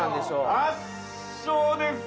圧勝です。